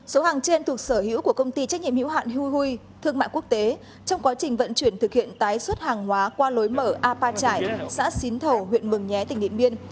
số hàng trên thuộc sở hữu của công ty trách nhiệm hữu hạn huy huy thương mạng quốc tế trong quá trình vận chuyển thực hiện tái xuất hàng hóa qua lối mở a pa trải xã xín thầu huyện mường nhé tỉnh điện biên